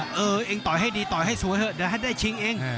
เออเอาเรื่องต่อให้ดีต่อให้สวยเหัอะได้ชิงเอง